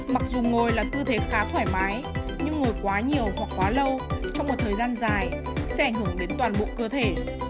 mặc dù ngồi là tư thế khá thoải mái nhưng ngồi quá nhiều hoặc quá lâu trong một thời gian dài sẽ ảnh hưởng đến toàn bộ cơ thể